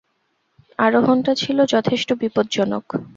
আরোহণটা ছিল যথেষ্ট বিপজ্জনক।